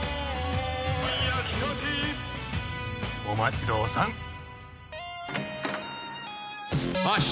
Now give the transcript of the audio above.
お待ち遠さん。